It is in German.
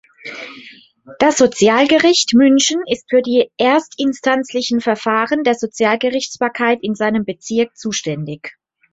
Das Sozialgericht München ist für die erstinstanzlichen Verfahren der Sozialgerichtsbarkeit in seinem Bezirk zuständig.